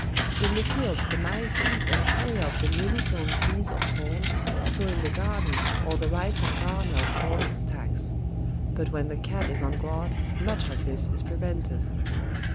In the fields the mice eat and carry off the newly sown peas or corn, so in the garden, or the ripened garnered corn in stacks; but when the cat is on guard much of this is prevented.